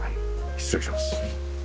失礼します。